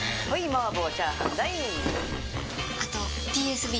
麻婆！